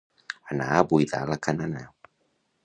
Anar a buidar la canana.